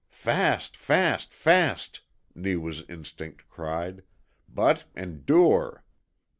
"FAST, FAST, FAST!" Neewa's instinct cried; "but ENDURE!